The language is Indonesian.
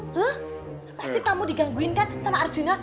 tuh pasti kamu digangguin kan sama arjuna